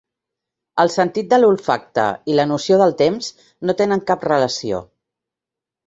El sentit de l'olfacte i la noció del temps no tenen cap relació